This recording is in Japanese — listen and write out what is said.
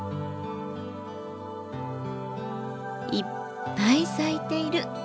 いっぱい咲いている。